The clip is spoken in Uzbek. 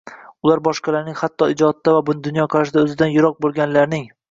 ular boshqalarning, hatto ijodda va dunyoqarashda o‘zidan yiroq bo‘lganlarning